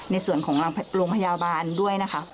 ในส่วนของโรงพยาบาลด้วยนะคะ